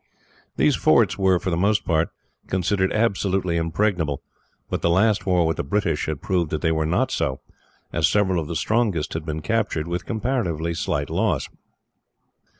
These forts were, for the most part, considered absolutely impregnable, but the last war with the British had proved that they were not so, as several of the strongest had been captured, with comparatively slight loss.